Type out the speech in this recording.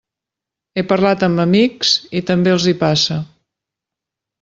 He parlat amb amics i també els hi passa.